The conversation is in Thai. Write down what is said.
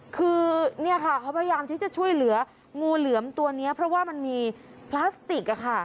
คือนี่พยายามจะช่วยเหลืองูเหลือมตัวนะเพราะว่ามันมีพลาสติก